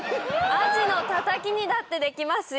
アジのたたきにだってできますよ。